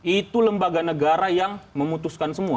itu lembaga negara yang memutuskan semua